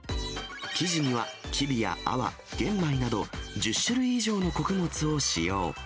生地にはきびやあわ、玄米など、１０種類以上の穀物を使用。